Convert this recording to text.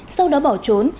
sau đó bỏ trốn